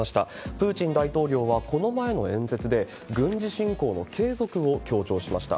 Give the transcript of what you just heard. プーチン大統領はこの前の演説で、軍事侵攻の継続を強調しました。